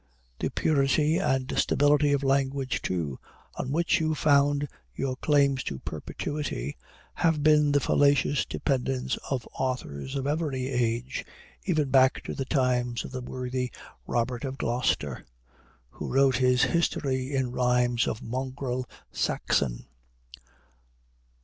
The purity and stability of language, too, on which you found your claims to perpetuity, have been the fallacious dependence of authors of every age, even back to the times of the worthy Robert of Gloucester, who wrote his history in rhymes of mongrel Saxon.